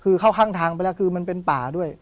คือเข้าข้างทางไปแล้วคือมันเป็นป่าด้วย